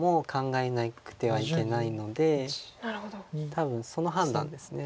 多分その判断です。